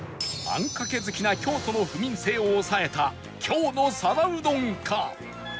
あんかけ好きな京都の府民性を押さえた京の皿うどんか？